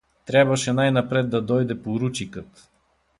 Трябваше най-напред да дойде поручикът.